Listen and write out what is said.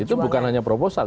itu bukan hanya proposal